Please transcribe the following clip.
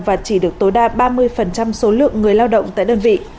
và chỉ được tối đa ba mươi số lượng người lao động tại đơn vị